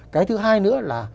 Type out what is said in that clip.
cái thứ hai nữa là